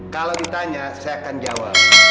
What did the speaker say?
kalau ditanya saya akan jawab